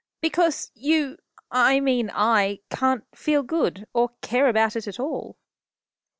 "Because you I mean I can't feel good, or care about it at all."